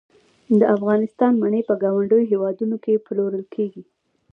د افغانستان مڼې په ګاونډیو هیوادونو کې پلورل کیږي